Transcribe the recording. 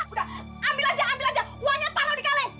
udah ambil aja ambil aja uangnya taruh di kaleng